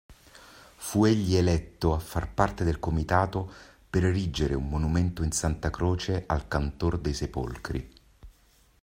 Fu egli eletto a far parte del Comitato per erigere un monumento in Santa Croce al Cantor dei Sepolcri.